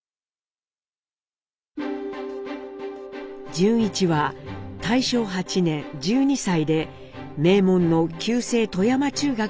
潤一は大正８年１２歳で名門の旧制富山中学に入学していました。